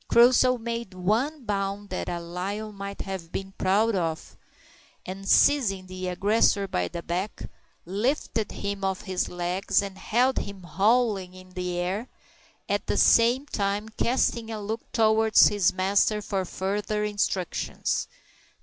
Crusoe made one bound that a lion might have been proud of, and seizing the aggressor by the back, lifted him off his legs and held him, howling, in the air at the same time casting a look towards his master for further instructions.